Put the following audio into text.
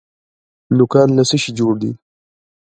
نوکان له څه شي جوړ دي؟